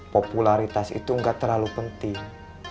popularitas itu nggak terlalu penting